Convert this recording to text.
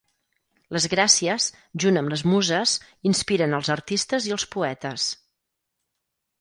Les Gràcies, junt amb les Muses, inspiren els artistes i els poetes.